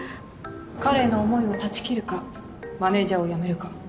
彼への思いを断ち切るかマネージャーを辞めるか。